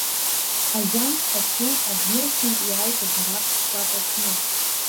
Ажәамш аҽны аӡнырцәынтә иааит абираҟ шкәакәа кны.